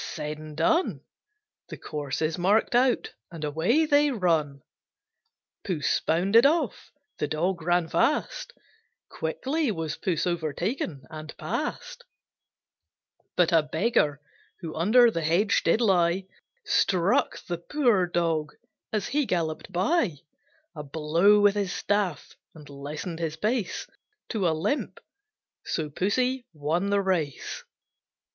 said and done. The course is mark'd out, and away they run. Puss bounded off; the Dog ran fast; Quickly was Puss overtaken and pass'd; But a Beggar who under the hedge did lie Struck the poor Dog as he gallop'd by A blow with his staff, and lessen'd his pace To a limp: so Pussy won the race.